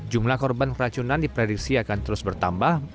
jumlah korban keracunan di pradiksi akan terus bertambah